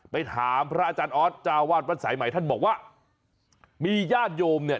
ไปถามพระอาจารย์ออสเจ้าวาดวัดสายใหม่ท่านบอกว่ามีญาติโยมเนี่ย